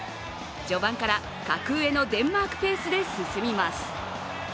序盤から格上のデンマークペースで進みます。